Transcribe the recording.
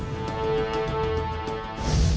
นายกรุงสวนศอดภัย